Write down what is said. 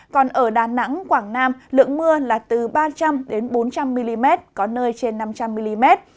còn ở đà nẵng quảng nam lượng mưa là từ ba trăm linh bốn trăm linh mm có nơi trên năm trăm linh mm